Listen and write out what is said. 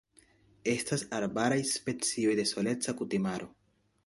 Estas arbaraj specioj de soleca kutimaro.